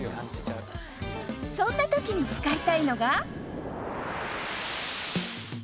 そんな時に使いたいのが